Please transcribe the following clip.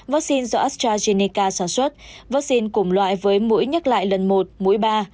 vaccine do astrazeneca sản xuất vaccine cùng loại với mũi nhắc lại lần một mũi ba